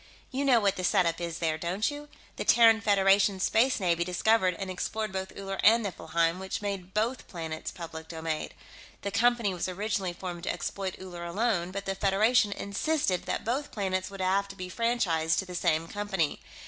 You know what the setup is, there, don't you? The Terran Federation Space Navy discovered and explored both Uller and Niflheim, which made both planets public domain. The Company was originally formed to exploit Uller alone, but the Federation insisted that both planets would have to be franchised to the same company.